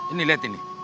ini liat ini